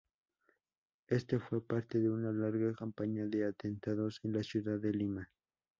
Este fue parte de una larga campaña de atentados en la ciudad de Lima.